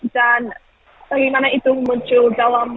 dan bagaimana itu muncul dalam